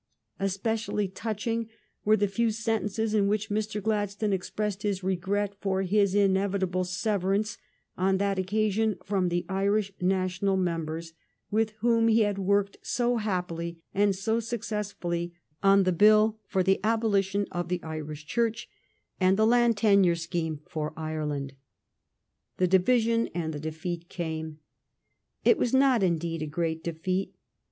Especially touching were the few sentences in which Mr. Gladstone expressed his regret for his inevitable severance on that occasion from the Irish National Members with whom he had worked so happily and so suc cessfully on the bill for the abolition of the Irish Church and the Land Tenure scheme for Ireland. The division and the defeat came. It was not, in deed, a great defeat.